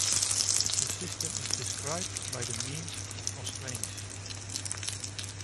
The system is described by the means of constraints.